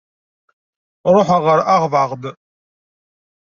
Ṛuḥeɣ ɣer Harvard.